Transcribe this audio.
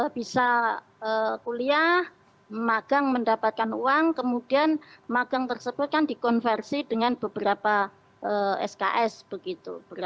bisa kuliah magang mendapatkan uang kemudian magang tersebut kan dikonversi dengan beberapa sks begitu